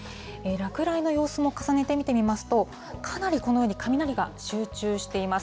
落雷の様子も重ねて見てみますと、かなりこのように雷が集中しています。